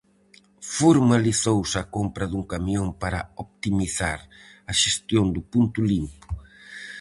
Formalizouse a compra dun camión para optimizar a xestión do punto limpo.